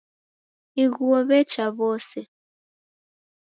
Ighuo w'echa w'ose.